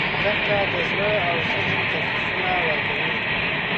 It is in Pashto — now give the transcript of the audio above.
دښته د زړه او ذهن تشویشونه ورکوي.